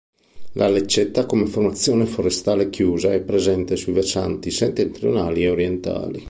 La lecceta come formazione forestale chiusa è presente sui versanti settentrionali e orientali.